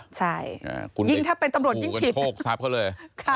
ยิ่งถ้าเป็นตำรวจยิ่งผิด